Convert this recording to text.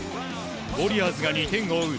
ウォリアーズが２点を追う